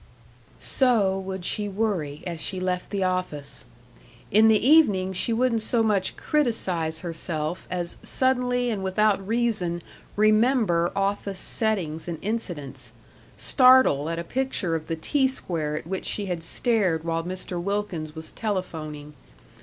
So would she worry as she left the office. In the evening she wouldn't so much criticize herself as suddenly and without reason remember office settings and incidents startle at a picture of the T square at which she had stared while Mr. Wilkins was telephoning....